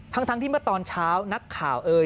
ทั้งที่เมื่อตอนเช้านักข่าวเอ่ย